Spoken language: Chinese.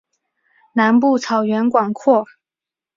南部草原广阔。